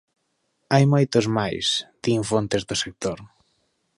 "Hai moitos máis", din fontes do sector.